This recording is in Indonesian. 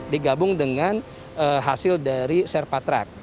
digabung dengan hasil dari serpa track